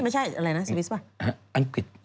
ไม่ใช่อะไรนะอังกฤษป่ะ